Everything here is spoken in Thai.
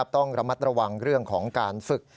ต้องระมัดระวังเรื่องของการฝึก